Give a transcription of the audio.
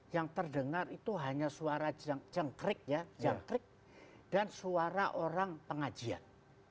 yang terdengar itu hanya suara cengkrik ya jangkrik dan suara orang pengajian